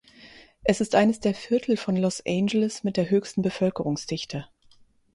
Es ist eines der Viertel von Los Angeles mit der höchsten Bevölkerungsdichte.